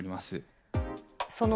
その